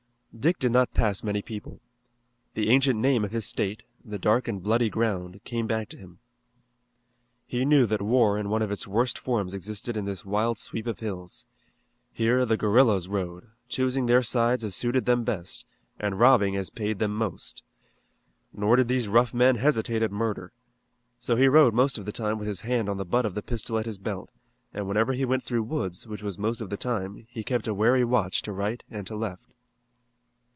Dick did not pass many people. The ancient name of his state the Dark and Bloody Ground came back to him. He knew that war in one of its worst forms existed in this wild sweep of hills. Here the guerillas rode, choosing their sides as suited them best, and robbing as paid them most. Nor did these rough men hesitate at murder. So he rode most of the time with his hand on the butt of the pistol at his belt, and whenever he went through woods, which was most of the time, he kept a wary watch to right and to left.